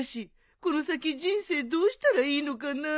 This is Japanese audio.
この先人生どうしたらいいのかな？